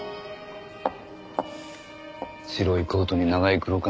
白いコートに長い黒髪。